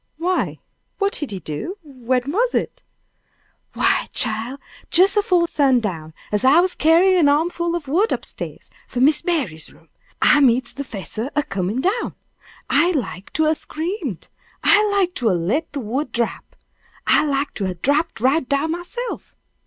"Why? What did he do? When was it?" "Why, chile, jes afore sundown, as I was a carryin' an armful of wood up stairs, for Miss Mary's room, I meets de 'fessor a comin' down. I like to 'a' screamed! I like to 'a' let de wood drap! I like to 'a' drapped right down myself!